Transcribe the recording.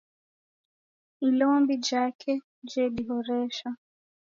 Ilombi jake jedihoresha